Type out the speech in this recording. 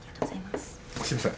すみません。